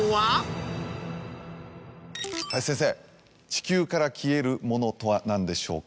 地球から消えるものとは何でしょうか？